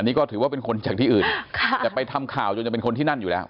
นี่ก็ถือว่าเป็นคนจากที่อื่นแต่ไปทำข่าวจนจะเป็นคนที่นั่นอยู่แล้ว